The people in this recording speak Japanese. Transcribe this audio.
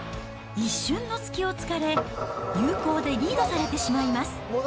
一瞬の隙をつかれ、有効でリードされてしまいます。